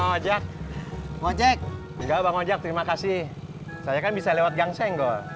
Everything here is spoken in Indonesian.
eh oh jack oh jack enggak bang ojek terima kasih saya kan bisa lewat gang senggol